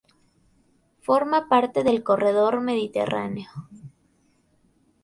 Forma parte del Corredor Mediterráneo.